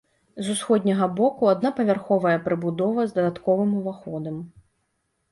З усходняга боку аднапавярховая прыбудова з дадатковым уваходам.